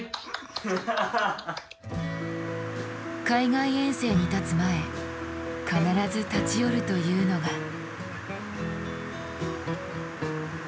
海外遠征にたつ前必ず立ち寄るというのが。